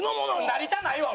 なりたないわ！